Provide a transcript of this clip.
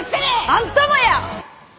あんたもや！